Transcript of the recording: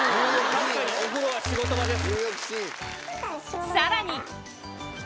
確かにお風呂は仕事場です。